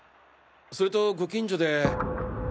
それとご近所で。